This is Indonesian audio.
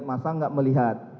masa gak melihat